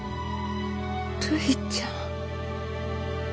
るいちゃん。